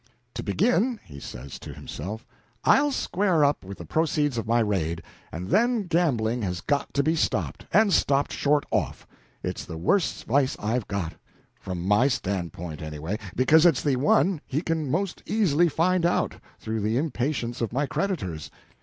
"To begin," he said to himself, "I'll square up with the proceeds of my raid, and then gambling has got to be stopped and stopped short off. It's the worst vice I've got from my standpoint, anyway, because it's the one he can most easily find out, through the impatience of my creditors.